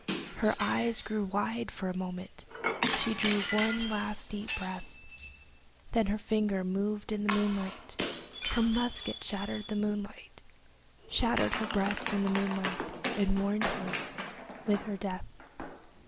Her eyes grew wide for a moment, she drew one last deep breath, Then her finger moved in the moonlight Her musket shattered the moonlight Shattered her breast in the moonlight and warned him with her death.